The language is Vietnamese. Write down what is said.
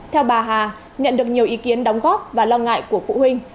theo bà hà nhận được nhiều ý kiến đóng góp và lo ngại của phụ huynh